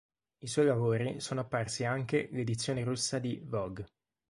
I suoi lavori sono apparsi anche l'edizione russa di "Vogue".